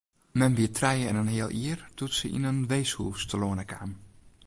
Mem wie trije en in heal jier doe't se yn in weeshûs telâne kaam.